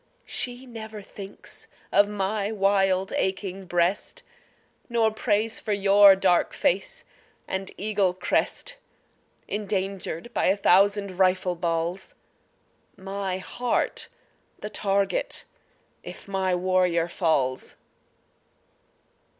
She never thinks of my wild aching breast, Nor prays for your dark face and eagle crest Endangered by a thousand rifle balls, My heart the target if my warrior falls.